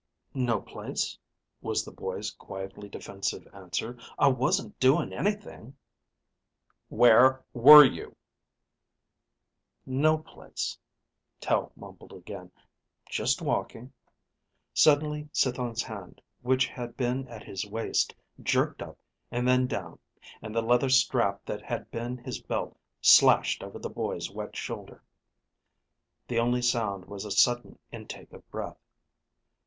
"No place," was the boy's quietly defensive answer. "I wasn't doing anything." "Where were you?" "No place," Tel mumbled again. "Just walking...." Suddenly Cithon's hand, which had been at his waist jerked up and then down, and the leather strap that had been his belt slashed over the boy's wet shoulder. The only sound was a sudden intake of breath.